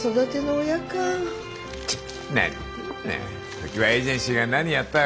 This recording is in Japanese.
常磐エージェンシーが何やったよ？